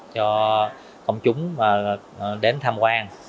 cho công chúng đến tham quan